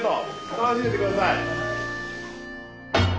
楽しんでって下さい。